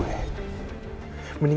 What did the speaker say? ibu aku sering berpikir